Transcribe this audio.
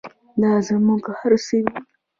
دا زموږ هر څه دی؟